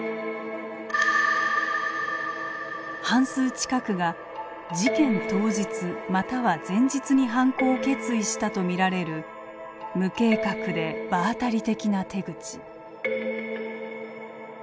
半数近くが事件当日または前日に犯行を決意したとみられる無計画で場当たり的な手口。